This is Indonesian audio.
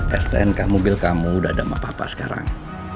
restenka mobil kamu udah ada sama papa sekarang